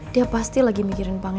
dia pasti lagi mikirin